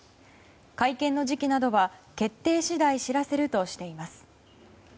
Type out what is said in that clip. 会見の時期などは決定次第知らせるとしています。